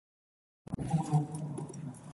家教雖甚嚴，但卻從不擺架子